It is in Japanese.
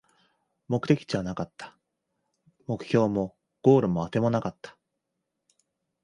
目的地はなかった、目標もゴールもあてもなかった